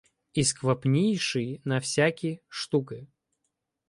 Ісквапнійший на всякі штуки